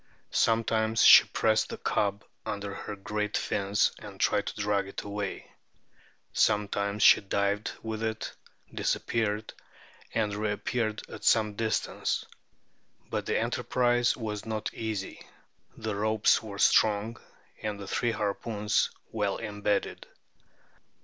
Sometimes she pressed the cub under her great fins, and tried to drag it away ; sometimes she dived with it, disappeared, and re appeared at some distance. But the enterprise was not easy ; the ropes were strong, and the three harpoons well embedded."